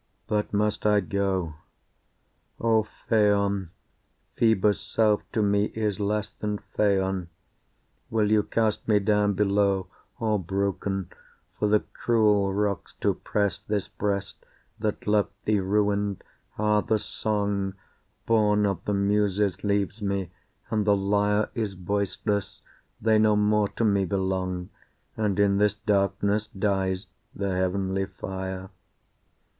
But must I go? O Phaon, Phœbus' self to me is less Than Phaon will you cast me down below All broken, for the cruel rocks to press This breast, that loved thee, ruined? Ah! the song Born of the Muses leaves me and the lyre Is voiceless they no more to me belong, And in this darkness dies the heavenly fire.